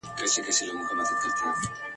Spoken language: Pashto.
نه قاضي نه زولانه وي نه مو وېره وي له چانه ..